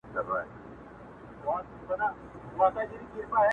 بلکي د دواړو ترمنځ په درېيمه فضا کي